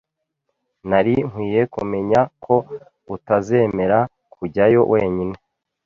Nari nkwiye kumenya ko utazemera kujyayo wenyine.